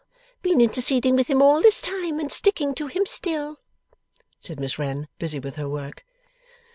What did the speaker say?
Been interceding with him all this time, and sticking to him still?' said Miss Wren, busy with her work.